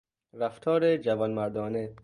رفتار جوانمردانه